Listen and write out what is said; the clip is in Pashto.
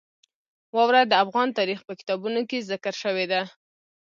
واوره د افغان تاریخ په کتابونو کې ذکر شوې ده.